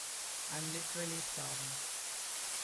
I’m literally starving.